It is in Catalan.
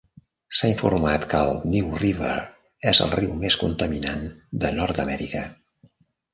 S"ha informat que el New River és el riu més contaminant de Nord-Amèrica.